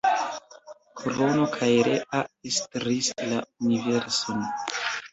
Krono kaj Rea estris la universon.